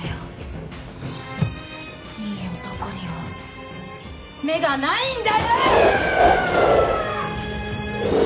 いい男には目がないんだよ！